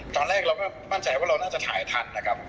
ตอนแรกเราก็มั่นใจว่าเราน่าจะถ่ายทันนะครับ